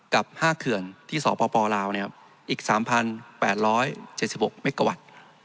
กับ๕เขื่อนที่สปลาวอีก๓๘๗๖เมกะวัตต์